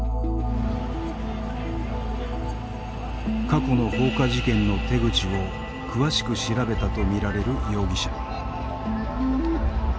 過去の放火事件の手口を詳しく調べたとみられる容疑者。